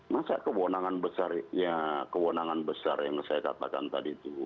masa kewenangan besar yang saya katakan tadi itu